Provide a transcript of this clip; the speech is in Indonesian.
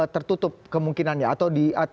tertutup kemungkinannya atau